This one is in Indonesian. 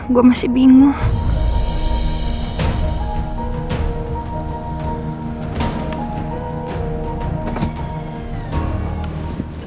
gue masih bingung